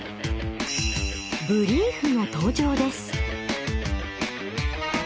ブリーフの登場です。